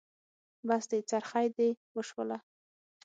بس دی؛ څرخی دې وشوله.